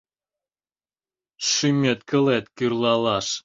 Шӱмет-кылет кӱрлалаш;